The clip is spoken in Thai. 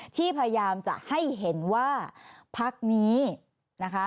ที่พยายามจะให้เห็นว่าพักนี้นะคะ